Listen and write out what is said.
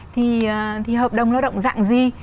thì hợp đồng lao động dạng gì